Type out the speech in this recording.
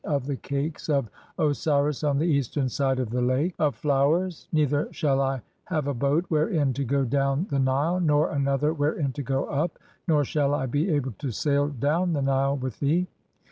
73 "of the cakes of Osiris on the eastern side of the Lake (3) of "Flowers, neither shall I have a boat wherein to go down the "Nile, nor another wherein to go up, nor shall I be able to sail "down the Nile with thee.